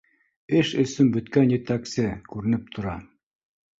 Эш өсөн бөткән етәксе, күренеп тора